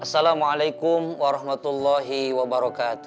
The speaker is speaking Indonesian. assalamualaikum warahmatullahi wabarokatu